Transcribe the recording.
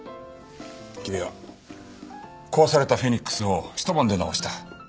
君は壊されたフェニックスをひと晩で直した。